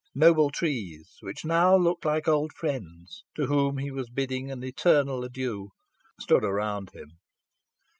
Noble trees, which now looked like old friends, to whom he was bidding an eternal adieu, stood around him.